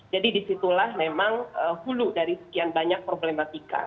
jadi disitulah memang hulu dari sekian banyak problematika